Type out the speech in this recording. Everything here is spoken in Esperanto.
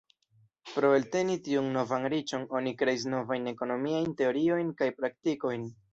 Pro elteni tiun novan riĉon, oni kreis novajn ekonomiajn teoriojn kaj praktikojn.